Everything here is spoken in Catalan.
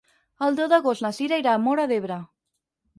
El deu d'agost na Cira irà a Móra d'Ebre.